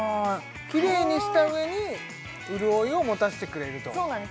きれいにした上に潤いを持たせてくれるとそうなんです